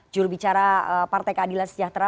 jurubicara partai keadilan sejahtera